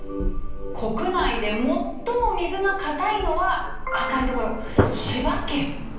国内で最も水が硬いのは赤い所千葉県。